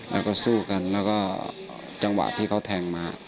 แล้วก็สู้กันแล้วก็จังหวะที่เขาแทงมา